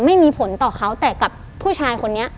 ไม่มีผลต่อเขาแต่กับผู้ชายคนนี้